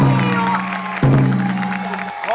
โอ้โฮ